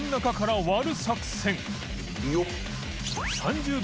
よっ。